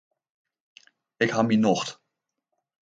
Ik ha myn nocht.